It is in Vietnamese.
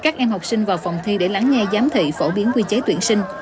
các em học sinh đã đưa con em mình đến điểm thi để lắng nghe giám thị phổ biến quy chế tuyển sinh